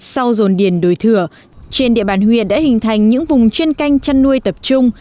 sau dồn điền đổi thừa trên địa bàn huyện đã hình thành những vùng chuyên canh chăn nuôi tập trung